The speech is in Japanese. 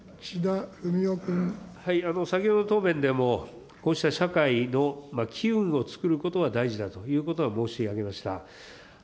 先ほど答弁でも、こうした社会の機運をつくることは大事だということは申し上げました。